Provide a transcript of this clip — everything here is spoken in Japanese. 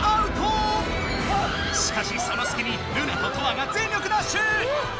しかしそのすきにルナとトアが全力ダッシュ！